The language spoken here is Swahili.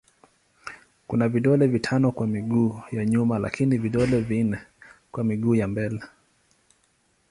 Kuna vidole vitano kwa miguu ya nyuma lakini vidole vinne kwa miguu ya mbele.